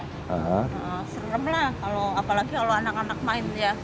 serem lah apalagi kalau anak anak main ya